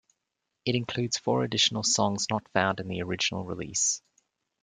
It includes four additional songs not found on the original release.